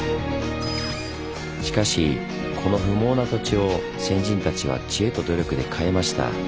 しかしこの不毛な土地を先人たちは知恵と努力で変えました。